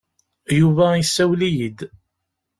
Yuba yessawel-iyi-d.